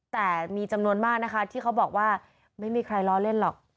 แต่มีจำนวนมากนะคะที่เขาบอกว่าไม่มีใครล้อเล่นหรอก